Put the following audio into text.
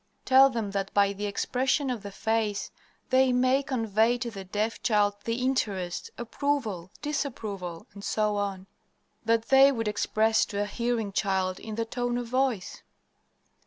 "Tell them that by the expression of the face they may convey to the deaf child the interest, approval, disapproval, etc., that they would express to a hearing child in the tone of voice.